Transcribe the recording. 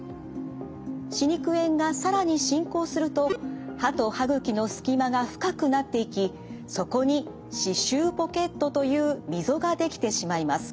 歯肉炎が更に進行すると歯と歯ぐきの隙間が深くなっていきそこに歯周ポケットという溝が出来てしまいます。